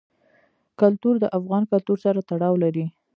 کلتور د افغان کلتور سره تړاو لري.